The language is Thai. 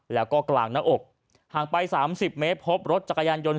แล้วก็กลางหน้าอกห่างไป๓๐เมตรพบรถจักรยานยนต